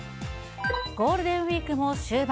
ゴールデンウィークも終盤。